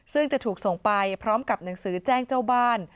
ซึ่งจะถูกส่งไปพร้อมกับหนังสือแจ้งเจ้าบ้าน